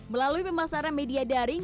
melalui pemasaran media daring